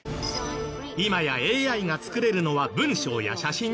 今やＡＩが作れるのは文章や写真だけじゃない！